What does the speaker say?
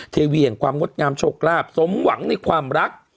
เทวีแห่งความงดงามโชคลาภสมหวังในสนใจในความรัก